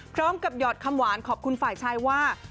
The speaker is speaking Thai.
หยอดคำหวานขอบคุณฝ่ายชายว่า